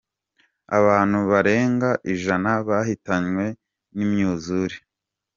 Abantu barenga ijana bahitanywe n’imyuzure